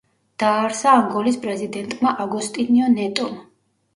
დააარსა ანგოლის პრეზიდენტმა აგოსტინიო ნეტომ.